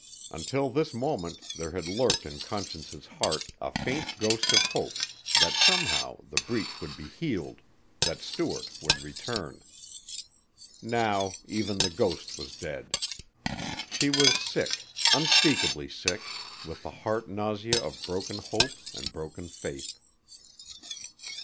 Until this moment there had lurked in Conscience's heart a faint ghost of hope that somehow the breach would be healed, that Stuart would return. Now even the ghost was dead. She was sick, unspeakably sick: with the heart nausea of broken hope and broken faith.